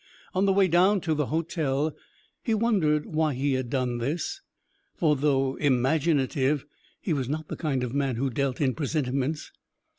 On the way down to the hotel he wondered why he had done this, for though imaginative, he was not the kind of man who dealt in presentiments.